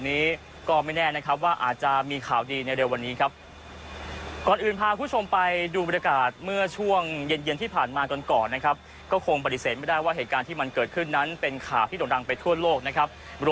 นี้ก็ไม่แน่นะครับว่าอาจจะมีข่าวดีในเรื่องวันนี้ครับ